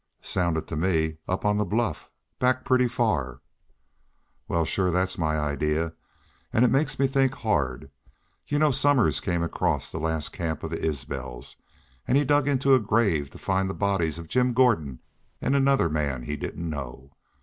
"Sounded to me up on the bluff, back pretty far." "Wal, shore that's my idee. An' it makes me think hard. Y'u know Somers come across the last camp of the Isbels. An' he dug into a grave to find the bodies of Jim Gordon an' another man he didn't know.